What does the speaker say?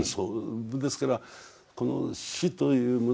ですからこの死というもの